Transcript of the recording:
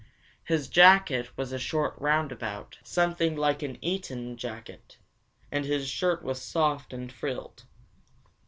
His jacket was a short roundabout, something like an Eton jacket, and his shirt was soft and frilled.